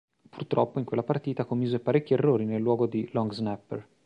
Purtroppo in quella partita commise parecchi errori nel ruolo di long snapper.